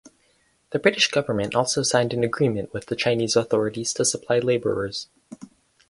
The British government also signed an agreement with the Chinese authorities to supply labourers.